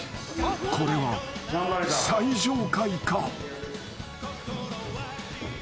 ［これは最上階か？］